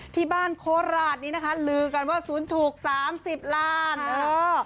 ที่บ้านโคลาสนี้นะคะลือกันว่าสูตรถูกสามสิบล้านเออ